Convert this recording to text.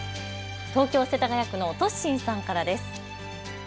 東京世田谷区のトッシンさんからです。